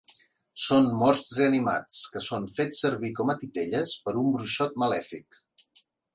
Són morts reanimats que són fets servir com a titelles per un bruixot malèfic.